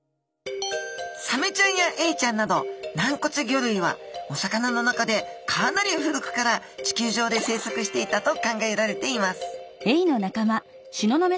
サメちゃんやエイちゃんなど軟骨魚類はお魚の中でかなり古くから地球上で生息していたと考えられています